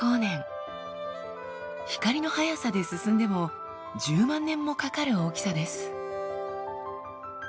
光の速さで進んでも１０万年もかかる大きさです。